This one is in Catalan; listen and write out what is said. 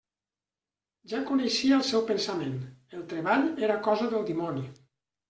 Ja coneixia el seu pensament: el treball era cosa del dimoni.